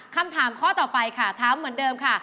คำถามข้อต่อไปค่ะถามเหมือนเดิมค่ะ